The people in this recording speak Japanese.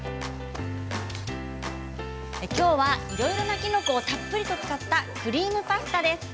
今日はいろいろなきのこをたっぷりと使ったクリームパスタです。